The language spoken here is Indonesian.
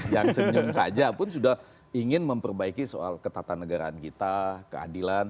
yang senyum saja pun sudah ingin memperbaiki soal ketatanegaraan kita keadilan